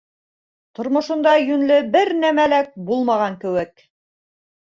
Тормошонда йүнле бер нәмә лә булмаған кеүек.